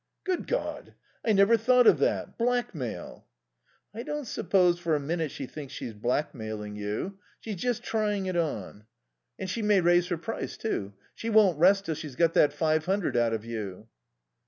"Good God! I never thought of that. Blackmail." "I don't suppose for a minute she thinks she's blackmailing you. She's just trying it on.... And she may raise her price, too. She won't rest till she's got that five hundred out of you."